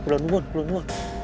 belom nunggu belum nunggu